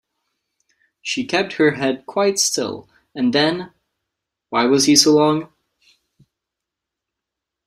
She kept her head quite still, and then — why was he so long?